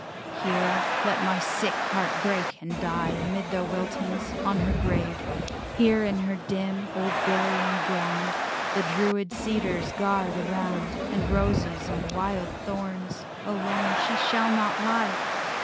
Here let my sick heart break and die Amid their wiltings, on her grave, Here in her dim, old burying ground The druid cedars guard around And roses and wild thorns. Alone She shall not lie!